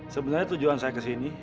sebenarnya tujuan saya kesini